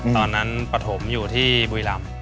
ตอนนั้นปฐมอยู่ที่บุรีรำ